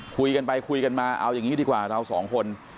คุยกันไปคุยกันมาเอาอย่างนี้ดีกว่าเราสองคน